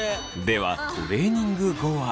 ではトレーニング後は。